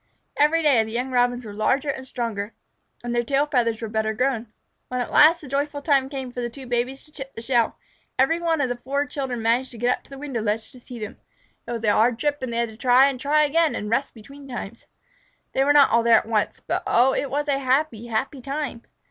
Every day the young Robins were larger and stronger, and their tail feathers were better grown. When at last the joyful time came for the two babies to chip the shell, every one of the four children managed to get up to the window ledge to see them. It was a hard trip, and they had to try and try again, and rest between times. They were not all there at once, but oh, it was a happy, happy time!